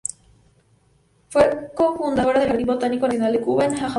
Fue cofundadora del Jardín Botánico Nacional de Cuba, en La Habana.